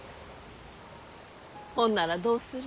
ほんならどうする？